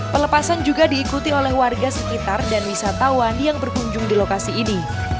pelepasan juga diikuti oleh warga sekitar dan wisatawan yang berkunjung di lokasi ini